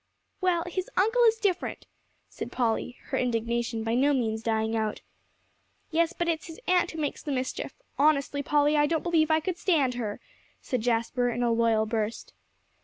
"Well, his uncle is different," said Polly, her indignation by no means dying out. "Yes, but it's his aunt who makes the mischief. Honestly, Polly, I don't believe I could stand her," said Jasper, in a loyal burst.